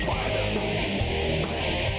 ฟ้ายเตอร์